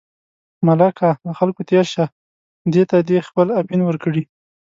ملکه له خلکو تېر شه، دې ته دې خپل اپین ورکړي.